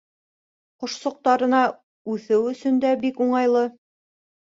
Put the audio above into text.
Ҡошсоҡтарына үҫеү өсөн дә бик уңайлы.